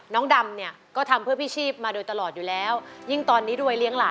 ป้าบอกแล้วบุบมาว่าวันนี้เลย